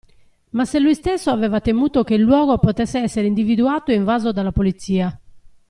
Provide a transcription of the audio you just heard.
Ma se lui stesso aveva temuto che il luogo potesse essere individuato e invaso dalla Polizia.